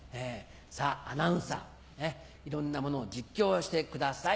アナウンサーいろんなものを実況してください。